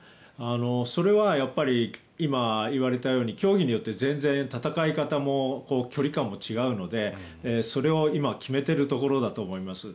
それは今言われたように競技によって戦い方も距離感も違うので、それを今決めてるところだと思います。